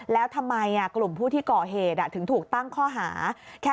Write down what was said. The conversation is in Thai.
แล้วทำไมกลุ่มผู้ที่ก่อเหตุถึงถูกตั้งข้อหา